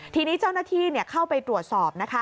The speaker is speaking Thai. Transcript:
ทีนี้เจ้าหน้าที่เข้าไปตรวจสอบนะคะ